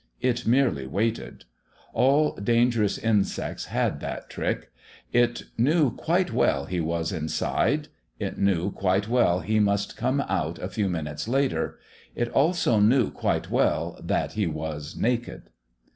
It merely waited. All dangerous insects had that trick. It knew quite well he was inside; it knew quite well he must come out a few minutes later; it also knew quite well that he was naked.